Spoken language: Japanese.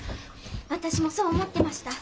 私もそう思ってました！